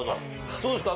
そうですか。